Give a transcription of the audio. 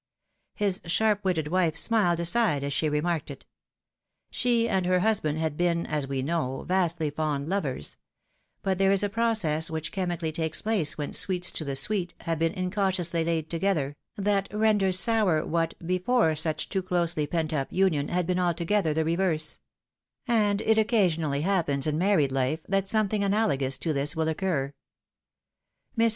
His sharp witted wife smiled aside as she remarked it. She and her husband had been (as we know) vastly fond lovers ; but there is a process which chemically takes place when "sweets to the sweet" have been incautiously laid together, that renders sour, what, before such too closely pent up union, had been altogether the reverse ; and it occasionally happens in married life, that something analogous to this will occur. Mrs.